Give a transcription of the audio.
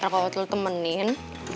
kalau lo temenin